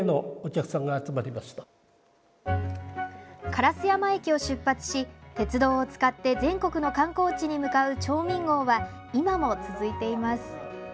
烏山駅を出発し鉄道を使って全国の観光地に向かう町民号は今も続いています。